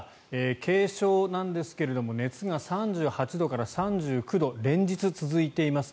軽症なんですが熱が３８度から３９度連日続いています。